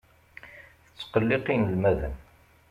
Tettqelliq inelmaden.